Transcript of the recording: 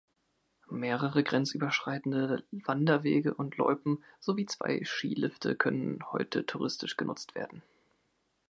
Mehrere grenzüberschreitende Wanderwege und Loipen sowie zwei Skilifte können heute touristisch genutzt werden.